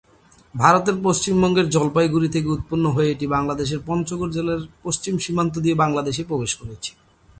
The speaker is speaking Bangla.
ভারতের পশ্চিমবঙ্গের জলপাইগুড়ি থেকে উৎপন্ন হয়ে এটি বাংলাদেশের পঞ্চগড় জেলার পশ্চিম সীমান্ত দিয়ে বাংলাদেশে প্রবেশ করেছে।